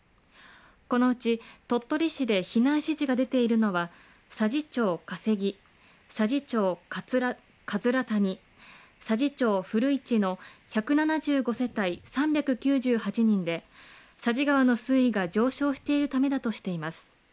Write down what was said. このうち、鳥取市で避難指示が出ているのは、佐治町加瀬木、佐治町葛谷、佐治町古市の１７５世帯３９８人で、佐治川の水位が上昇しているためだとしています。